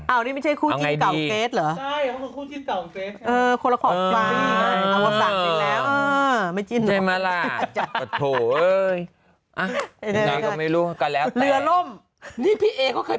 อันนี้ไม่ใช่คู่จิ้นเก่าเกรทเหรอ